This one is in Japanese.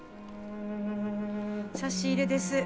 差し入れです。